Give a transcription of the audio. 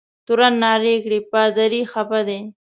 تورن نارې کړې پادري خفه دی.